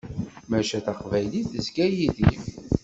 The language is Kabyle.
Maca, Taqbaylit tezga yid-i.